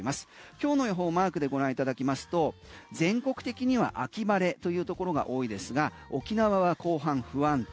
今日の予報マークでご覧いただきますと全国的には秋晴れというところが多いですが沖縄は後半不安定。